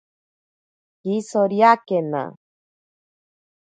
Kitsoriakena.